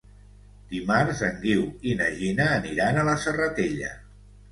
Dimarts en Guiu i na Gina aniran a la Serratella.